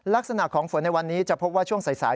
ลักษณะของฝนในวันนี้จะพบว่าช่วงสาย